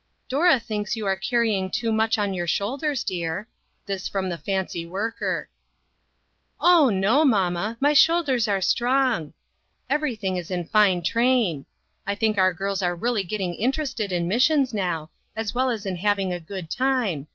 "Dora thinks you are carrying too much on your shoulders, dear." This from the fancy worker. "Oh, no, mamma, my shoulders are strong. REACHING INTO TO MORROW. 15 Everything is in fine train. I think our girls are really getting interested in missions now, as well as in having a good time